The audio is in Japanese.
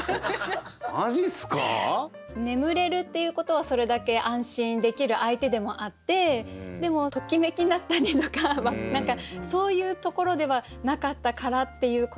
眠れるっていうことはそれだけ安心できる相手でもあってでもときめきだったりとか何かそういうところではなかったからっていうことなのかなみたいな。